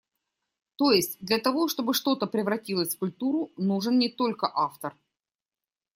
То есть, для того, чтобы что-то превратилось в культуру нужен не только автор.